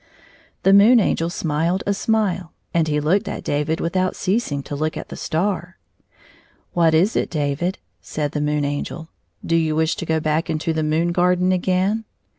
The Moon Angel smiled a smile, and he looked at David without ceasing to look at the star. "What is it, David?" said the Moon Angel; " do you wish to go back to the moon garden again